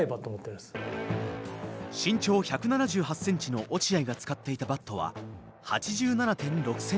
身長１７８ｃｍの落合が使っていたバットは８７．６ｃｍ。